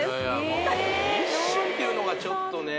納富さん「一瞬」っていうのがちょっとね